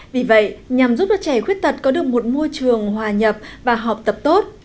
vì vậy nhằm giúp cho trẻ khuyết tật có được một môi trường hòa nhập và học tập tốt